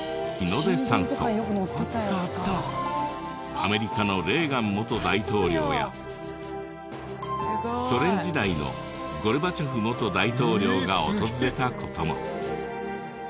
アメリカのレーガン元大統領やソ連時代のゴルバチョフ元大統領が訪れた事も。